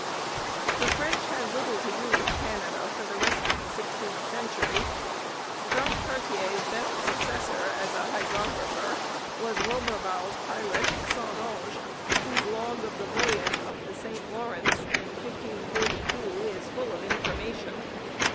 The French had little to do with Canada for the rest of the sixteenth century. Jacques Carrier's best successor as a hydrographer was Roberval's pilot, Saint Onge, whose log of the voyage up the St Lawrence in 1542 is full of information.